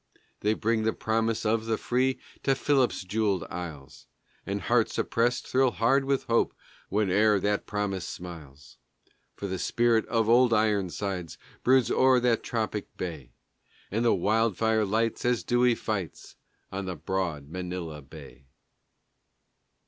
They bring the promise of the free to Philip's jewelled isles, And hearts oppressed thrill hard with hope whene'er that promise smiles; For the spirit of Old Ironsides broods o'er that tropic day And the wildfire lights as Dewey fights on the broad Manila Bay.